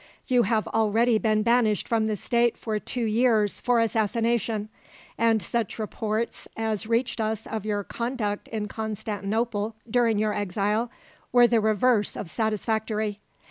You have already been banished from the state for two years for assassination, and such reports as reached us of your conduct in Constantinople, during your exile, were the reverse of satisfactory.